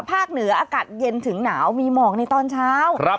เหนืออากาศเย็นถึงหนาวมีหมอกในตอนเช้า